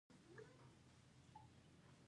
په ورځ کې څو ځله تشناب ته ځئ؟